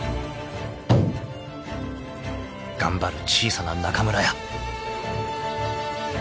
［頑張る小さな中村屋］